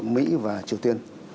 mỹ và triều tiên